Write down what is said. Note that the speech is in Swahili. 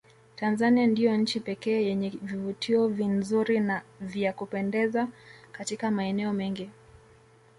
Tanzania ndio nchi pekee yenye vivutio vinzuri na vya kupendeza Katika maeneo mengi